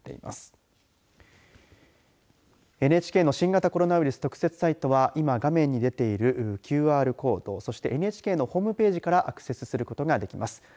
ＮＨＫの新型コロナウイルス特設サイトは今、画面に出ているＱＲコードそしてＮＨＫのホームページからアクセスすることができます。